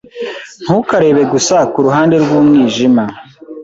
Ntukarebe gusa kuruhande rwumwijima.